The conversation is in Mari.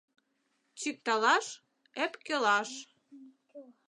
Чикталаш — ӧпкелаш.